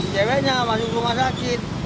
ceweknya masuk rumah sakit